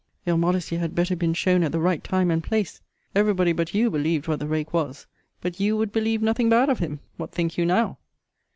your modesty had better been shown at the right time and place Every body but you believed what the rake was: but you would believe nothing bad of him What think you now?